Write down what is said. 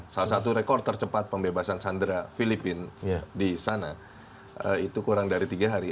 salah satu rekor tercepat pembebasan sandera filipina di sana itu kurang dari tiga hari